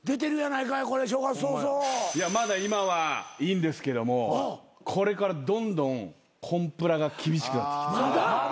いやまだ今はいいんですけどもこれからどんどんコンプラが厳しくなってきて。